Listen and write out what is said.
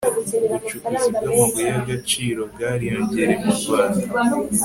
ubucukuzi bw'amabuye y'agacirobwariyongereye murwanda